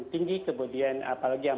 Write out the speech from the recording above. tinggi kemudian apalagi yang